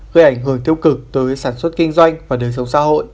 gây ảnh hưởng tiêu cực tới sản xuất kinh doanh và đời sống xã hội